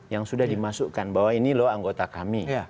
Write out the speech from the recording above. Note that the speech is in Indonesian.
yang sudah dimasukkan bahwa ini loh anggota kami